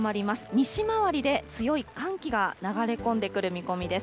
西回りで強い寒気が流れ込んでくる見込みです。